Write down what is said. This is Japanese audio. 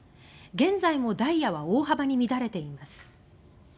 現在もダイヤは大幅に乱れています。